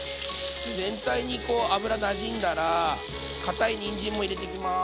全体に油なじんだらかたいにんじんも入れていきます。